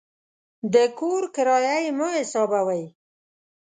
د کور کرایه یې مه حسابوئ.